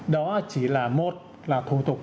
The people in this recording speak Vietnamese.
đó chỉ là một là thủ tục